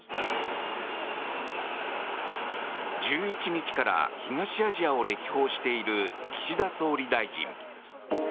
１１日から東アジアを歴訪している岸田総理大臣。